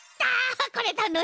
これたのしい！